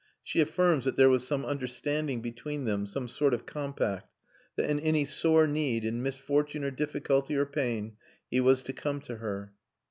She affirms that there was some understanding between them some sort of compact that in any sore need, in misfortune, or difficulty, or pain, he was to come to her."